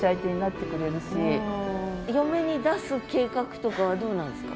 嫁に出す計画とかはどうなんですか？